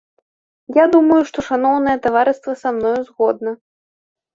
Я думаю, што шаноўнае таварыства са мною згодна?